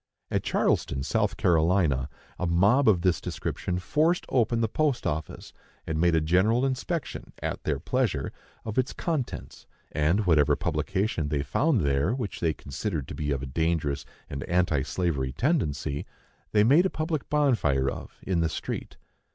At Charleston, South Carolina, a mob of this description forced open the post office, and made a general inspection, at their pleasure, of its contents; and whatever publication they found there which they considered to be of a dangerous and anti slavery tendency, they made a public bonfire of, in the street.